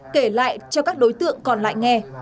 kể lại cho các đối tượng còn lại nghe